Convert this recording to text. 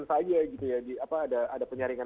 saja ada penyaringan